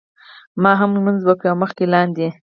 ما هم لمونځ وکړ او مخکې لاندې.